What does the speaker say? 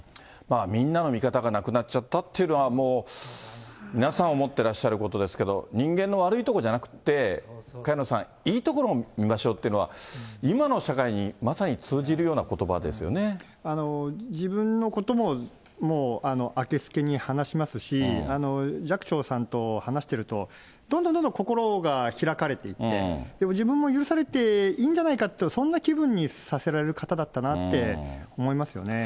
みんなの味方が亡くなっちゃったっていうのは、もう皆さん思ってらっしゃることですけど、人間の悪いところじゃなくて、萱野さん、いいところも見ましょうというのは、今の社会に、まさに通じるよ自分のことも、もう、あけすけに話しますし、寂聴さんと話してると、どんどんどんどん心が開かれていって、自分も許されていいんじゃないかと、そんな気分にさせられる方だったなって思いますよね。